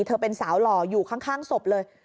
เธอเป็นสาวหล่ออยู่ข้างศพเลย